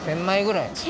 １，０００まいぐらい。